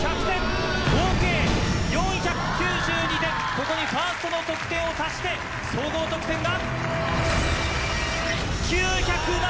ここにファーストの得点を足して総合得点が。